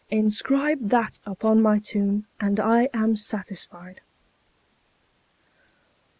Inscribe that upon my tomb, and I am satisfied."